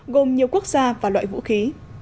gồm nhiều quốc gia và loại vũ khí